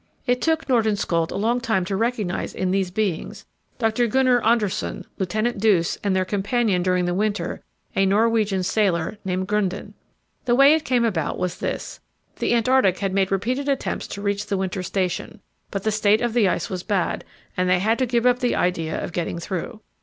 It took Nordenskjöld a long time to recognize in these beings Dr. Gunnar Andersson, Lieutenant Duse, and their companion during the winter, a Norwegian sailor named Grunden. The way it came about was this. The Antarctic had made repeated attempts to reach the winter station, but the state of the ice was bad, and they had to give up the idea of getting through.